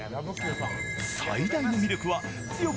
最大の魅力は、強く